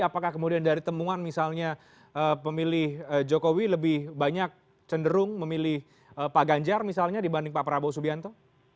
apakah kemudian dari temuan misalnya pemilih jokowi lebih banyak cenderung memilih pak ganjar misalnya dibanding pak prabowo subianto